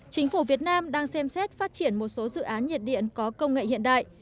chính phủ việt nam đang xem xét phát triển một số dự án nhiệt điện có công nghệ hiện đại